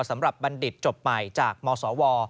สำหรับบัณฑิตจบใหม่จากมศว